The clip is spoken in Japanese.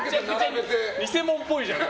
偽物っぽいじゃん。